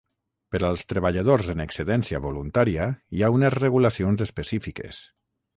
Per als treballadors en excedència voluntària hi ha unes regulacions específiques.